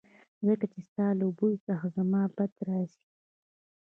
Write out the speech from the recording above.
ځکه چې ستا له بوی څخه زما بد راځي